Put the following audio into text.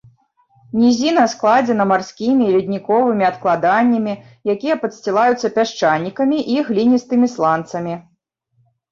Нізіна складзена марскімі і ледніковымі адкладаннямі, якія падсцілаюцца пясчанікамі і гліністымі сланцамі.